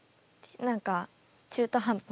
何か中途半端な。